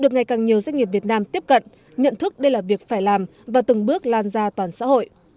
ngày càng nhiều doanh nghiệp việt nam tiếp cận nhận thức đây là việc phải làm và từng bước lan ra toàn xã hội